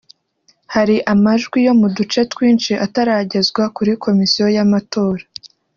Hari amajwi yo mu duce twinshi ataragezwa kuri Komisiyo y’amatora